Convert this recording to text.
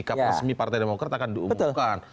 sikap resmi partai demokrat akan diumumkan